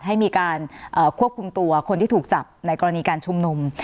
ให้มีการควบคุมตัวคนที่ถูกจับในกรณีการชุมนุม